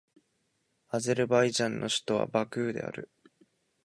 アゼルバイジャンの首都はバクーである